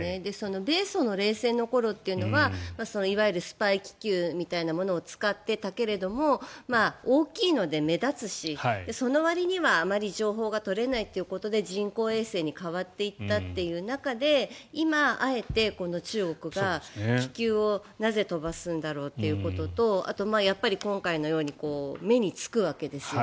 米ソの冷戦の頃というのはスパイ気球みたいなものを使っていたけども大きいので目立つしそのわりにあまり情報が取れないので人工衛星に代わっていったという中で今、あえてこの中国が気球をなぜ飛ばすんだろうということとあと、今回のように目につくわけですよね。